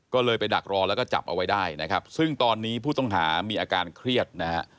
ก็เลยไปดักรอแล้วก็จับเอาไว้ได้นะครับซึ่งตอนนี้ผู้ต้องหามีอาการเครียดนะฮะ